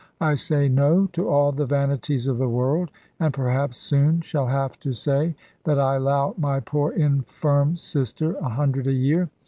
I say No to all the vanities of the world, and perhaps soon shall have to say that I allow my poor infirm sister a hundred a year.